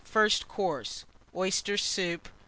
FIRST COURSE. Oyster Soup.